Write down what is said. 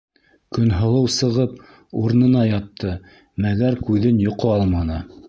Көнһылыу сығып урынына ятты, мәгәр күҙен йоҡо алманы.